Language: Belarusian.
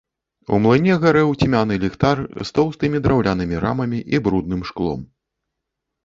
У млыне гарэў цьмяны ліхтар з тоўстымі драўлянымі рамамі і брудным шклом.